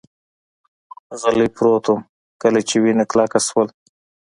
غلی پروت ووم، کله چې وینه کلکه شول.